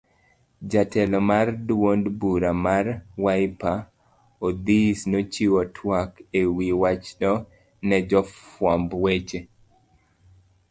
Jatelo mar duond bura mar Wiper, Odhis nochiwo twak ewi wachno ne jofuamb weche.